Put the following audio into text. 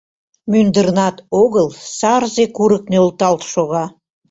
Мӱндырнат огыл Сарзе курык нӧлталт шога.